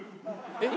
えっ